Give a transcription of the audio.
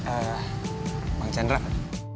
ehh bang chandra